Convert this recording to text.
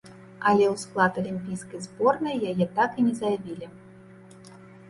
Але ў склад алімпійскай зборнай яе так і не заявілі.